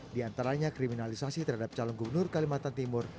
di antaranya kriminalisasi terhadap calon gubernur kalimantan timur